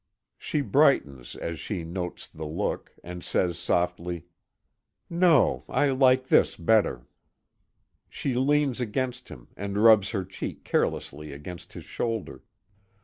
She brightens as she notes the look, and says softly: "No, I like this better." She leans against him, and rubs her cheek carelessly against his shoulder.